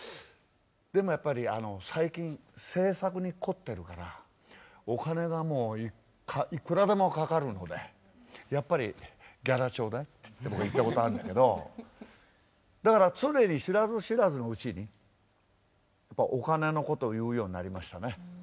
でもやっぱり最近制作に凝ってるからお金がもういくらでもかかるので「やっぱりギャラちょうだい」つって僕言ったことあるんだけどだから常に知らず知らずのうちにお金のことを言うようになりましたね。